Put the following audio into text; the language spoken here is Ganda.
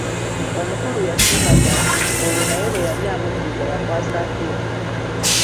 Omukulu yasiima bya nsusso olwo naye bwe yali amuddiza yakwasaako ebiri.